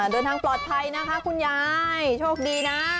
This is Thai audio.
เดินทางปลอดภัยนะคะคุณยายโชคดีนะ